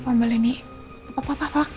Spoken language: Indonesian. emangnya kenapa mbak leni